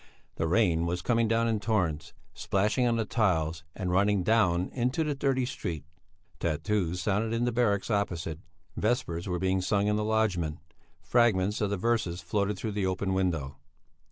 The rain was coming down in torrents, splashing on the tiles and running down into the dirty street. Tattoo sounded in the barracks opposite; vespers were being sung in the lodgment; fragments of the verses floated through the open window.